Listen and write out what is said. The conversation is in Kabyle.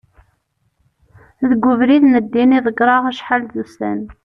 deg ubrid n ddin i ḍegreɣ acḥal d ussan